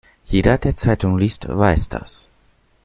Jeder, der Zeitung liest, weiß das.